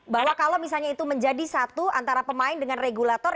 bahwa kalau misalnya itu menjadi satu antara pemain dengan regulator